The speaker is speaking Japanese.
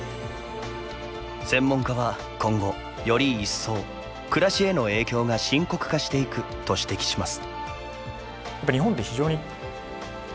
専門家は今後より一層暮らしへの影響が深刻化していくと指摘します。